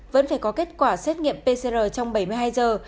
vẫn phải có kết quả xét nghiệm pcr trong bảy mươi hai giờ